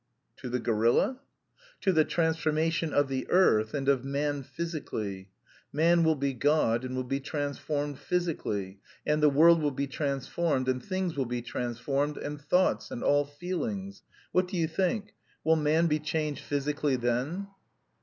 "To the gorilla?" "... To the transformation of the earth, and of man physically. Man will be God, and will be transformed physically, and the world will be transformed and things will be transformed and thoughts and all feelings. What do you think: will man be changed physically then?"